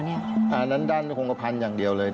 อันนั้นด้านโครงกระพันธ์อย่างเดียวเลย